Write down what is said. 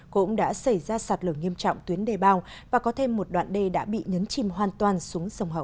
cũng đã xảy ra sạt lở nghiêm trọng tuyến đề bao và có thêm một đoạn đê đã bị nhấn chìm hoàn toàn xuống sông hậu